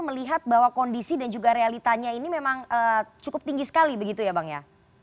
melihat bahwa kondisi dan juga realitanya ini memang cukup tinggi sekali begitu ya bang ya